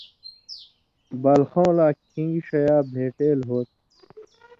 بالخؤں لا کھِن٘گی ݜیا بھېٹېل ہو تھہ۔